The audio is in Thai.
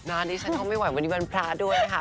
ดิฉันก็ไม่ไหววันนี้วันพระด้วยนะคะ